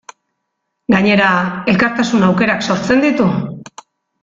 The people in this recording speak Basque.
Gainera, elkartasun aukerak sortzen ditu.